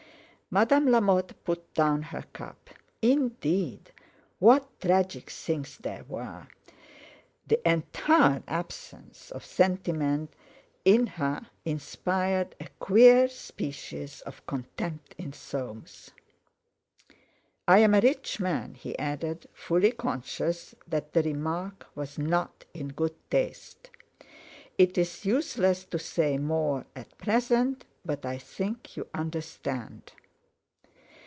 Madame Lamotte put down her cup. Indeed! What tragic things there were! The entire absence of sentiment in her inspired a queer species of contempt in Soames. "I am a rich man," he added, fully conscious that the remark was not in good taste. "It is useless to say more at present, but I think you understand."